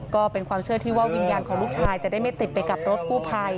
ก็เป็นความเชื่อที่ว่าวิญญาณของลูกชายจะได้ไม่ติดไปกับรถกู้ภัย